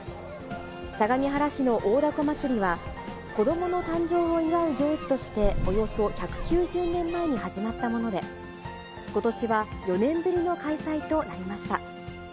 相模原市の大凧まつりは、子どもの誕生を祝う行事としておよそ１９０年前に始まったもので、ことしは４年ぶりの開催となりました。